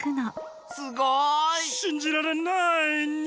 すごい！しんじられないニャ。